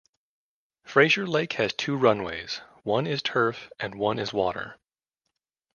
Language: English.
Frazier Lake has two runways, one is turf and one is water.